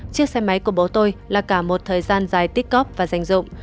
chiếc xe máy của bố tôi là cả một thời gian dài tích cóp và dành dụng